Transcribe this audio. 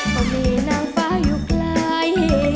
ต้องมีนางฟ้าอยู่ใกล้